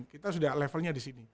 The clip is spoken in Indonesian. kita sudah levelnya disini